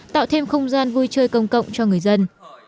tạo thêm không gian vui chơi công cộng cho người dân